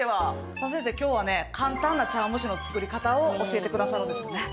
さあ、先生、今日はね簡単な茶わん蒸しの作り方を教えてくださるんですよね？